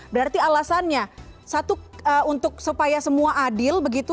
berarti alasannya satu untuk supaya semua adil begitu